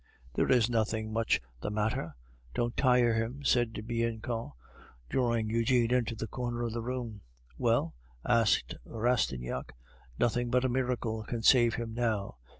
"There is nothing much the matter." "Don't tire him," said Bianchon, drawing Eugene into a corner of the room. "Well?" asked Rastignac. "Nothing but a miracle can save him now.